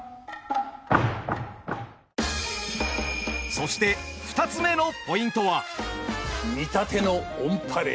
そして２つ目のポイントは。